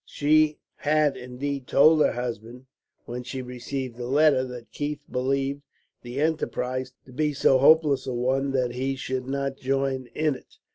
She had indeed told her husband, when she received the letter, that Keith believed the enterprise to be so hopeless a one that he should not join in it.